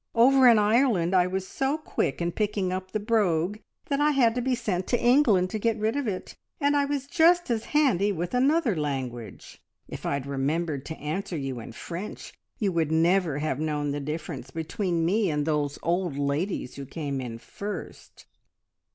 Over in Ireland I was so quick in picking up the brogue that I had to be sent to England to get rid of it, and I was just as handy with another language. If I'd remembered to answer you in French, you would never have known the difference between me and those old ladies who came in first."